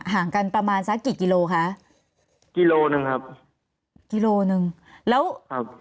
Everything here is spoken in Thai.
ห่างกันประมาณสักกี่กิโลคะกิโลหนึ่งครับกิโลหนึ่งแล้วครับ